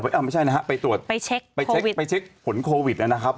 ไม่ใช่นะไปตรวจไปเช็กผลโควิดนะครับ